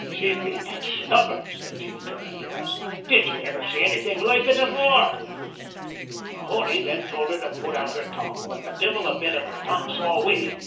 She be that stubborn!' said she, turnin' to us; `did ye ivver see anythin' loike it afore?' "Mahony then tould her to put out her tongue, but the divvle a bit of her tongue saw we!